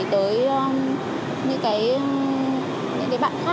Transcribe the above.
tới những bạn khác